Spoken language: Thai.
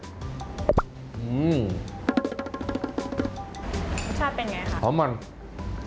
รสชาติเป็นอย่างไรครับ